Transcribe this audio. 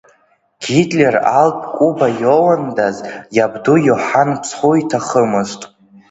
Гитлер алтә кәыба иоуандаз, иабду Иоҳанн Ԥсхәы иҭахымызт!